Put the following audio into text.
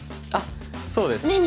あっそうです。